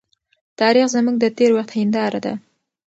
تاريخ زموږ د تېر وخت هنداره ده.